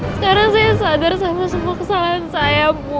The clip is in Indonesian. sekarang saya sadar sama semua kesalahan saya